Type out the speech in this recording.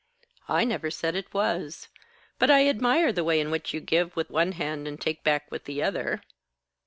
"I never said it was. But I admire the way in which you give with one hand and take back with the other."